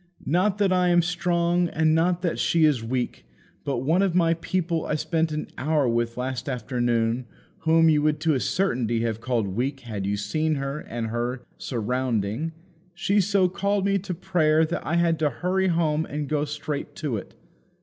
Not that I am strong, and not that she is weak, but one of my people I spent an hour with last afternoon whom you would to a certainty have called weak had you seen her and her surrounding, she so called me to prayer that I had to hurry home and go straight to it.